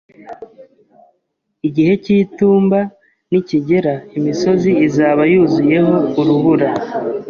Igihe cy'itumba nikigera, imisozi izaba yuzuyeho urubura.